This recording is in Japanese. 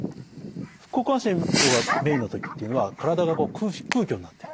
副交感神経の方がメインの時っていうのは体が空虚になってる。